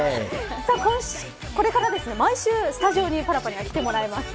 これから毎週スタジオにパラッパには来てもらいます。